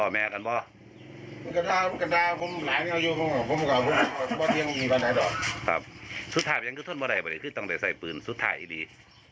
แมนคือท่อนบรรยายบริษฐฤติต้องได้ใส่ปืนสุดท้ายดี